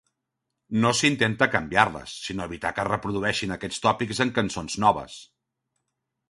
No s'intenta canviar-les, sinó evitar que es reprodueixin aquests tòpics en cançons noves.